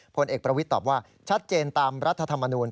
ผลเอกประวิทย์ตอบว่าชัดเจนตามรัฐธรรมนูล